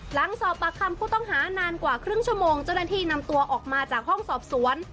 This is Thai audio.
หลังสอบปากคำผู้ต้องหานานกว่าครึ่งชั่วโมงเจ้าหน้าที่นำตัวออกมาจากห้องสอบสวน